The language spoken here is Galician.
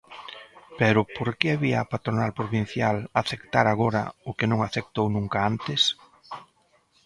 Pero, porque había a patronal provincial aceptar agora o que non aceptou nunca antes.